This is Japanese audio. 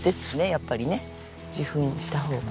やっぱりね授粉した方が。